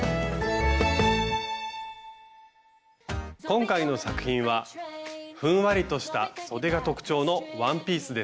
今回の作品はふんわりとしたそでが特徴のワンピースです。